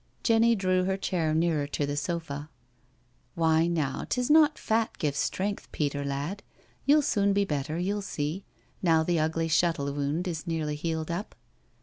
Jenny drew her chair nearer to the sofa. " Why now, 'tis not fat gives strength, Peter lad. You'll soon be better, you'll see, now the ugly shuttle wound is nearly healed up."